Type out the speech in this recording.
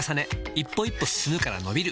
一歩一歩進むからのびる